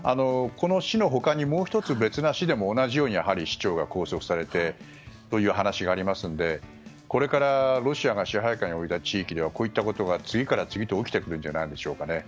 この市の他にもう１つ別の市でも同じように市長が拘束されてという話がありますのでこれからロシアが支配下に置いた地域では次から次へと起きてくるんじゃないでしょうか。